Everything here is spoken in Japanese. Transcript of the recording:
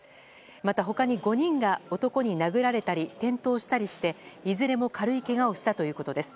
また、他に５人が男に殴られたり転倒したりしていずれも軽いけがをしたということです。